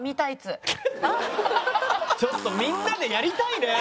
ちょっとみんなでやりたいねえ。